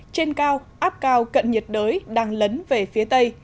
trên cao áp cao cận nhiệt đới đang lấn về phía tây